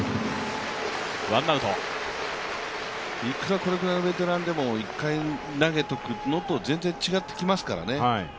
これぐらいのベテランでも、１回投げておくのと、全然違ってきますからね。